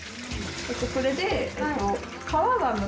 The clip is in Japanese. これで。